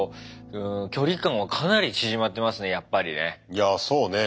いやあそうね。